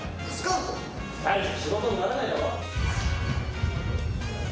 大した仕事にならないだろ。